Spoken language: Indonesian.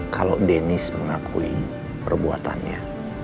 kalau dennis mengakui perbuatannya